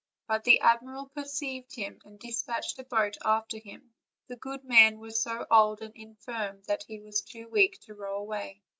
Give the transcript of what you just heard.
But the admiral perceived him, and dis patched a boat after him, and the good man was so old and infirm that he was too weak to row away.